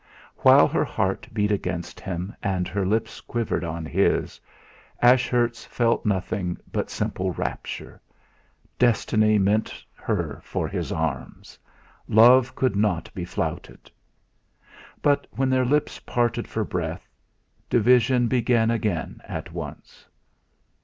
While her heart beat against him, and her lips quivered on his, Ashurst felt nothing but simple rapture Destiny meant her for his arms, Love could not be flouted! But when their lips parted for breath, division began again at once.